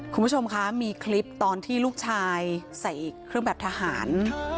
คุณผู้ชมคะมีคลิปตอนที่ลูกชายใส่เครื่องแบบทหาร